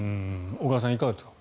小川さん、いかがですか？